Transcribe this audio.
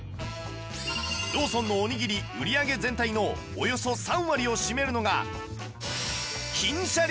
ローソンのおにぎり売り上げ全体のおよそ３割を占めるのが